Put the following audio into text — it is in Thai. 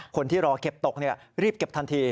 คนที่รอเก็บตกรีบเก็บทันที